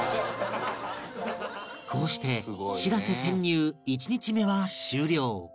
こうして「しらせ」潜入１日目は終了